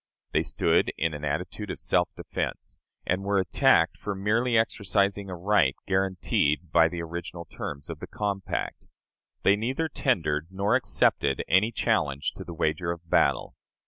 They stood in an attitude of self defense, and were attacked for merely exercising a right guaranteed by the original terms of the compact. They neither tendered nor accepted any challenge to the wager of battle.